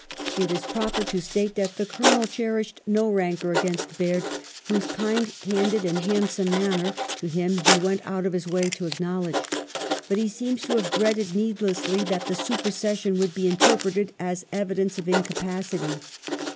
It is proper to state that the Colonel cherished no rancour against Baird, whose "kind, candid, and handsome manner" to him he went out of his way to acknowledge; but he seems to have dreaded needlessly that the supersession would be interpreted as evidence of incapacity.